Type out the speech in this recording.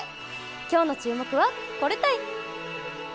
今日の注目は、これたい！